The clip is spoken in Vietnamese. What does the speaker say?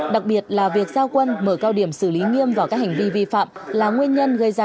đặc biệt là việc giao quân mở cao điểm xử lý nghiêm vào các hành vi vi phạm là nguyên nhân gây ra